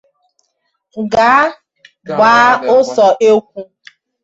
ga-abaa ụsọ ekwu